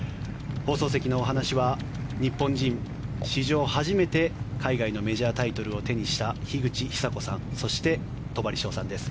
放送席のお話は日本人史上初めて海外のメジャータイトルを手にした樋口久子さんそして戸張捷さんです。